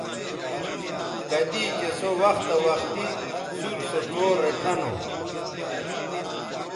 کدی چہء سو وختہ وختی سُور سو ڇو ریٹھہ نو